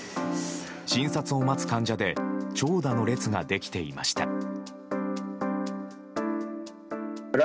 診察を待つ患者で長蛇の列ができていました。